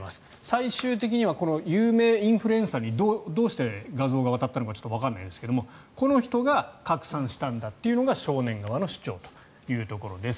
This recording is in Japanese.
最終的には有名インフルエンサーにどうして画像が渡ったのかちょっとわかりませんがこの人が拡散したんだというのが少年側の主張というところです。